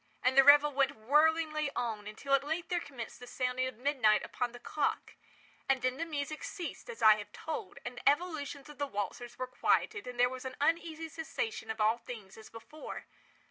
And the revel went whirlingly on, until at length there commenced the sounding of midnight upon the clock. And then the music ceased, as I have told; and the evolutions of the waltzers were quieted; and there was an uneasy cessation of all things as before.